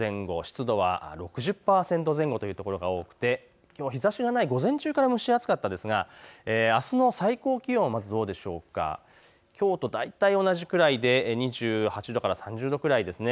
湿度は６０％前後という所が多くて日ざしがない午前中から蒸し暑かったですが、あすの最高気温、きょうと大体同じくらいで２８度から３０度くらい。